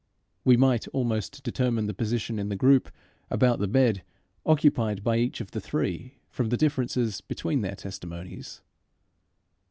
We might almost determine the position in the group about the bed occupied by each of the three, from the differences between their testimonies.